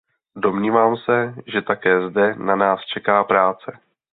Domnívám se, že také zde na nás čeká práce.